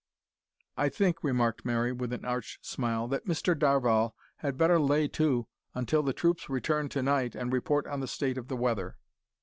"I think," remarked Mary, with an arch smile, "that Mr Darvall had better `lay to' until the troops return to night and report on the state of the weather."